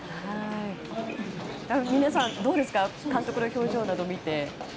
皆さん、どうですか監督の表情など見て。